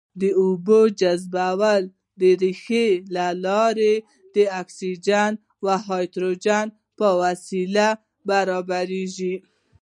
د اوبو جذب د ریښو له لارې د اکسیجن او هایدروجن په واسطه برابریږي.